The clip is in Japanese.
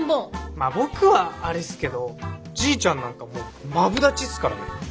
まあ僕はあれっすけどじいちゃんなんかマブダチっすからね。